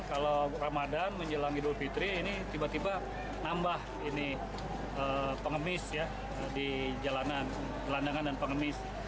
kalau ramadan menjelang idul fitri ini tiba tiba nambah ini pengemis ya di jalanan gelandangan dan pengemis